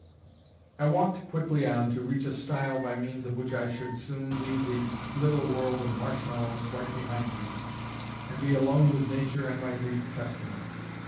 I walked quickly on to reach a stile by means of which I should soon leave the little world of Marshmallows quite behind me, and be alone with nature and my Greek Testament.